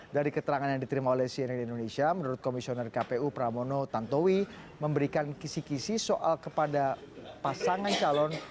dari keterangan yang diterima oleh cnn indonesia menurut komisioner kpu pramono tantowi memberikan kisi kisi soal kepada pasangan calon